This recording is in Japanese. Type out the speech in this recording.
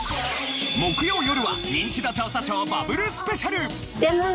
木曜よるは『ニンチド調査ショー』バブルスペシャル。